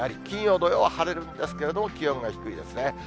金曜、土曜は晴れるんですけれども、気温が低いですね。